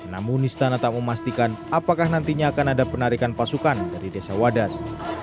namun istana tak memastikan apakah nantinya akan ada penarikan pasukan dari desa wadas